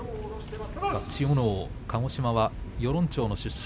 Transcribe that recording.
千代ノ皇、鹿児島は与論町の出身。